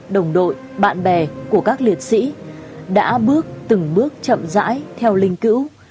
đồng đội bạn bè của các liệt sĩ đã bước từng bước chậm rãi theo linh cữu